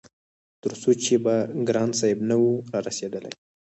تر څو چې به ګران صاحب نه وو رارسيدلی-